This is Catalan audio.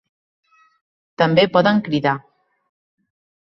També poden cridar.